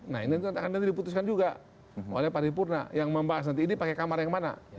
nah ini nanti diputuskan juga oleh paripurna yang membahas nanti ini pakai kamar yang mana